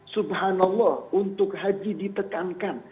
subhanallah untuk haji ditekankan